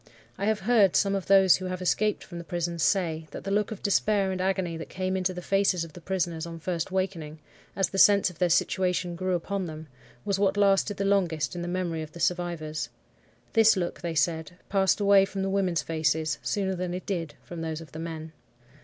(I have heard some of those who have escaped from the prisons say, that the look of despair and agony that came into the faces of the prisoners on first wakening, as the sense of their situation grew upon them, was what lasted the longest in the memory of the survivors. This look, they said, passed away from the women's faces sooner than it did from those of the men.)